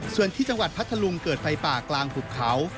ส่วนที่จังหวัดพัทธลุงเกิดไฟป่ากลางหุบเขา